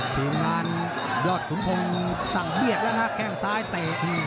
ทีมงานยอดขุนพงศ์สั่งเบียดแล้วฮะแข้งซ้ายเตะ